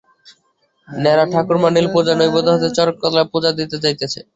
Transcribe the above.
নেড়ার ঠাকুরমা নীলপূজার নৈবেদ্য হাতে চড়কতলায় পূজা দিতে যাইতেছে।